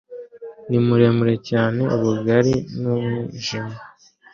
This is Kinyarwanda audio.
Ni muremure cyane ubugari numwijima